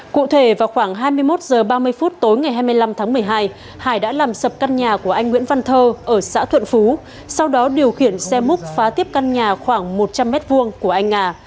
cụ thể vào khoảng hai mươi một h ba mươi phút tối ngày hai mươi năm tháng một mươi hai hải đã làm sập căn nhà của anh nguyễn văn thơ ở xã thuận phú sau đó điều khiển xe múc phá tiếp căn nhà khoảng một trăm linh m hai của anh nga